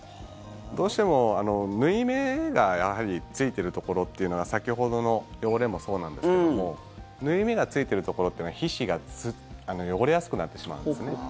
どうしても縫い目がやはりついてるところというのが先ほどの汚れもそうなんですけど縫い目がついてるところっていうのは皮脂が汚れやすくなってしまうんです。